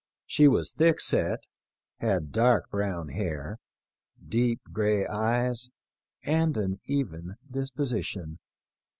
She was thick set, had dark brown hair, deep gray eyes, and an even disposition.